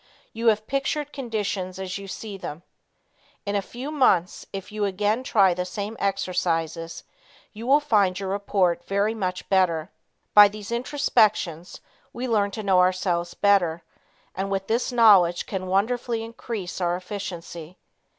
You have pictured conditions as you see them. In a few months, if you again try the same exercises, you will find your report very much better. By these introspections, we learn to know ourselves better and with this knowledge can wonderfully increase our efficiency.